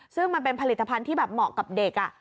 ซึ่งมันเป็นผลิตภัณฑ์ที่แบบเหมาะกับเด็ก